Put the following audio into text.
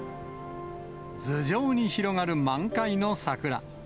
頭上に広がる満開の桜。